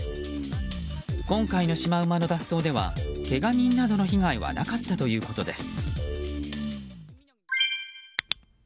今回のシマウマの脱走ではけが人などの被害はなかったということです。